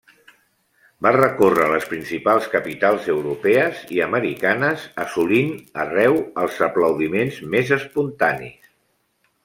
Va recórrer les principals capitals europees i americanes, assolint arreu els aplaudiments més espontanis.